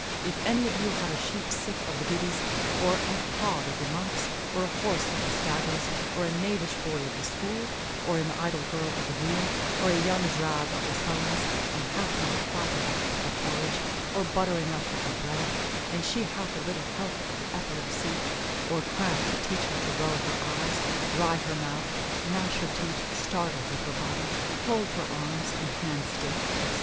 If any of you have a sheep sick of the giddies, or a hog of the mumps, or a horse of the staggers, or a knavish boy of the school, or an idle girl of the wheel, or a young drab of the sullens, and hath not fat enough for her porridge, or butter enough for her bread, and she hath a little help of the epilepsy or cramp to teach her to roll her eyes, wry her mouth, gnash her teeth, startle with her body, hold her arms and hands stiff, etc.